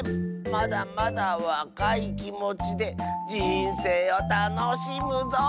まだまだわかいきもちでじんせいをたのしむぞ！